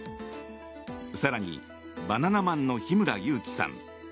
更に、バナナマンの日村勇紀さん